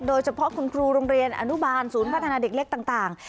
โดยเฉพาะคุณครูโรงเรียนอนุบาลศูนย์พัฒนาเด็กเล็กต่าง